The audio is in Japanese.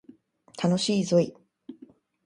楽しいぞい